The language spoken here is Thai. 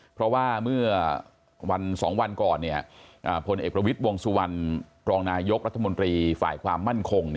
เพราะว่าเมื่อวัน๒วันก่อนพลเอกประวิทย์วงสุวรรณรองนายกรัฐมนตรีฝ่ายความมั่นคง